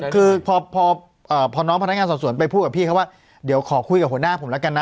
คือพอน้องพนักงานสอบสวนไปพูดกับพี่เขาว่าเดี๋ยวขอคุยกับหัวหน้าผมแล้วกันนะ